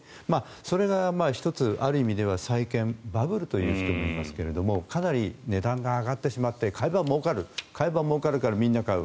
それが１つある意味では債券バブルという言い方ですがかなり値段が上がってしまって買えばもうかる買えばもうかるからみんな買う。